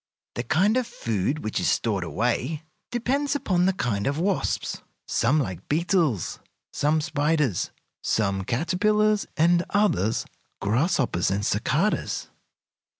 The kind of food which is stored away depends upon the kind of wasps. Some like beetles, some spiders, some caterpillars, and others grasshoppers and cicadas.